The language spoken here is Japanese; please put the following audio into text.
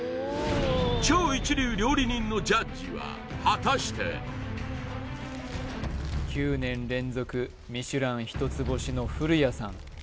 超一流料理人のジャッジは果たして９年連続ミシュラン一つ星の古屋さん